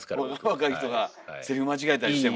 若い人がセリフ間違えたりしても。